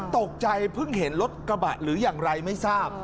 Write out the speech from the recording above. ตกใจเพิ่งเห็นรถกระบะหรืออย่างไรไม่ทราบ